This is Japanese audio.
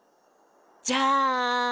じゃん！